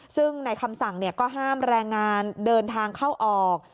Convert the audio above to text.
ซึ่งในคำสั่งก็ห้ามแรงงานเดินทางเข้าออก